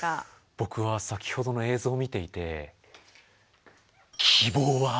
僕は先ほどの映像を見ていてあ。